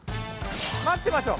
待ってましょう。